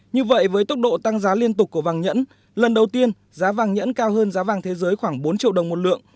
như vậy với tốc độ tăng giá liên tục của vàng nhẫn lần đầu tiên giá vàng nhẫn cao hơn giá vàng thế giới khoảng bốn triệu đồng một lượng